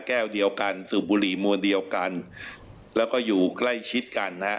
แก้วเดียวกันสูบบุหรี่มวลเดียวกันแล้วก็อยู่ใกล้ชิดกันนะฮะ